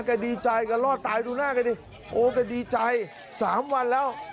ก็ดีใจก็รอดตายดูหน้ากันดิโอ้ก็ดีใจสามวันแล้ว